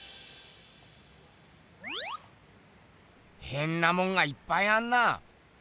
ヘンなもんがいっぱいあんな。